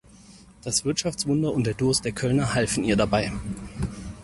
Das Wirtschaftswunder und der Durst der Kölner halfen ihr dabei.